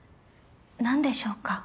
何でしょうか？